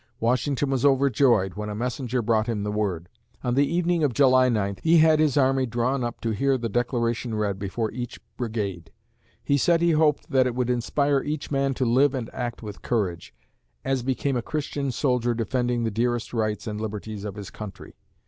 Washington was overjoyed when a messenger brought him the word. On the evening of July 9, he had his army drawn up to hear the Declaration read before each brigade. He said he hoped that it would inspire each man to live and act with courage, "as became a Christian soldier defending the dearest rights and liberties of his country."